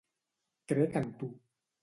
Crec en tu.